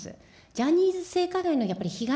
ジャニーズ性加害のやっぱり被害